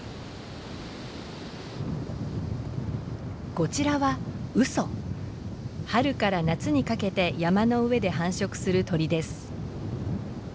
こちらは春から夏にかけて山の上で繁殖する鳥です。